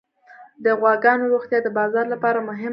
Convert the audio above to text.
د غواګانو روغتیا د بازار لپاره مهمه ده.